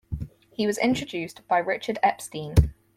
He was introduced by Richard Epstein.